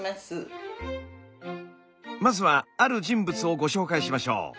まずはある人物をご紹介しましょう。